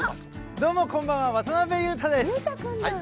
どうも、こんばんは、渡辺裕裕太君だ。